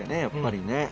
やっぱりね。